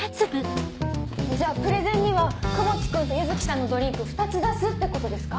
じゃあプレゼンには窪地君と柚木さんのドリンク２つ出すってことですか？